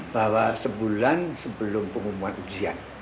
bahwa sebulan sebelum pengumuman ujian